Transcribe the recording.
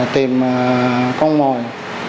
tìm công mồi